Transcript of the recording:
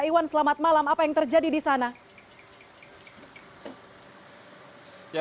iwan selamat malam apa yang terjadi di sana